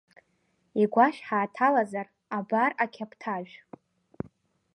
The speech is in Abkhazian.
Игәашә ҳанҭалазар, абар ақьаԥҭажә…